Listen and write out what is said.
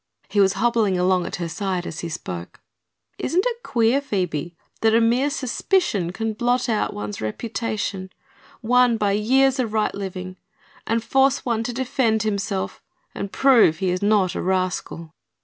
He was hobbling along at her side as he spoke. "Isn't it queer, Phoebe, that a mere suspicion can blot out one's reputation, won by years of right living, and force one to defend himself and prove he is not a rascal?"